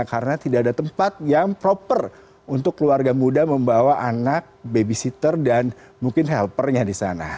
karena tidak ada tempat yang proper untuk keluarga muda membawa anak babysitter dan mungkin helpernya disana